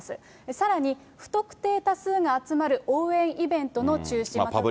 さらに、不特定多数が集まる応援イベントの中止も。